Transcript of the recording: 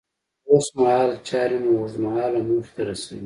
اوسمهال چارې مو اوږد مهاله موخې ته رسوي.